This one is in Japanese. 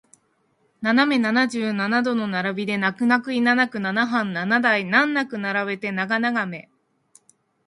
斜め七十七度の並びで泣く泣くいななくナナハン七台難なく並べて長眺め